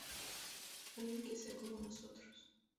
Alguien que sea como nosotros.